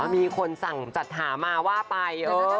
มีคนสั่งจัดหามาว่าไป